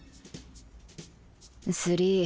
スリー。